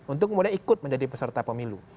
untuk kemudian ikut menjadi peserta pemilu